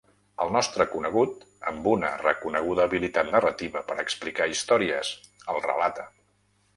El nostre conegut, amb una reconeguda habilitat narrativa per explicar històries, el relata.